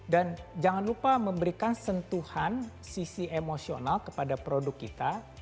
dan jangan lupa memberikan sentuhan sisi emosional kepada produk kita